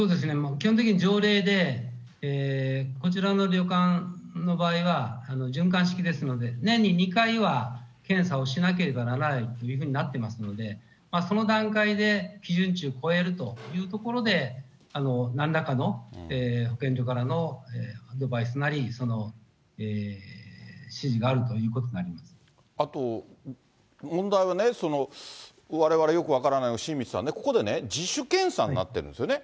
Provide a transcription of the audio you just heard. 基本的に条例で、こちらの旅館の場合は循環式ですので、年に２回は検査をしなければならないというふうになってますので、その段階で基準値を超えるというところで、なんらかの保健所からのアドバイスなり、あと、問題はね、われわれよく分からない、新道さんね、ここでね、自主検査になってるんですよね。